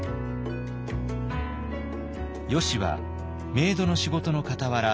よしはメイドの仕事のかたわら